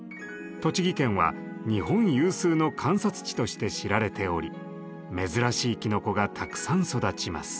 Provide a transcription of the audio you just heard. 栃木県は日本有数の観察地として知られており珍しいきのこがたくさん育ちます。